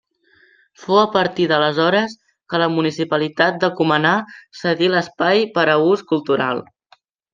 Fou a partir d'aleshores que la municipalitat de Cumaná cedí l'espai per a ús cultural.